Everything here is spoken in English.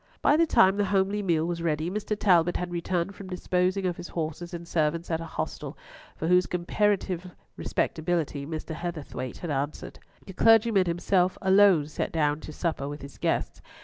By the time the homely meal was ready Mr. Talbot had returned from disposing of his horses and servants at a hostel, for whose comparative respectability Mr. Heatherthwayte had answered. The clergyman himself alone sat down to supper with his guests.